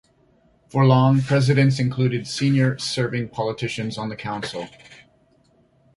For long, Presidents included senior serving politicians on the Council.